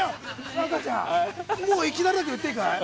若ちゃん、いきなりだけど言っていいかい？